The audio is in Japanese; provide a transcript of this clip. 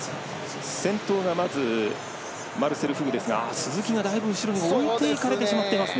先頭はマルセル・フグですが鈴木がだいぶ後ろに置いていかれてしまっていますね。